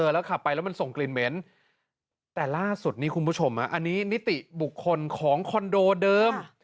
แล้วขับไปแล้วมันส่งกลิ่นเหม็นแต่ล่าสุดนี้คุณผู้ชมอันนี้นิติบุคคลของคอนโดเดิม